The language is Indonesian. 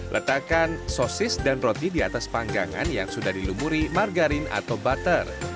letakkan sosis dan roti di atas panggangan yang sudah dilumuri margarin atau butter